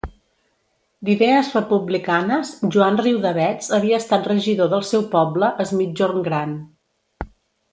D'idees republicanes, Joan Riudavets havia estat regidor del seu poble, es Migjorn Gran.